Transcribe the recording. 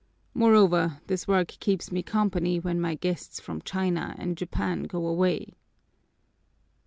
Moreover, this work keeps me company when my guests from China and Japan go away."